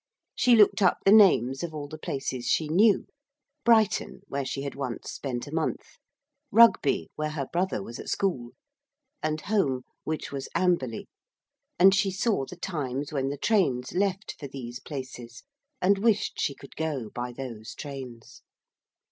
She looked up the names of all the places she knew. Brighton where she had once spent a month, Rugby where her brother was at school, and Home, which was Amberley and she saw the times when the trains left for these places, and wished she could go by those trains.